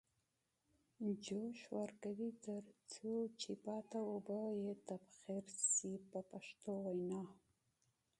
جوش ورکوي تر څو چې پاتې اوبه یې تبخیر شي په پښتو وینا.